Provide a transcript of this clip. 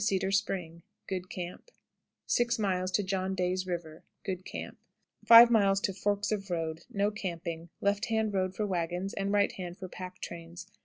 Cedar Spring. Good camp. 6. John Day's River. Good camp. 5. Forks of Road. No camping. Left hand road for wagons, and right hand for pack trains.